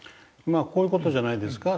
まあこういう事じゃないですか。